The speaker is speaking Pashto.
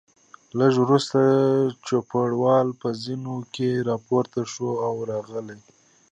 لږ وروسته چوپړوال په زینو کې راپورته شو او راغی.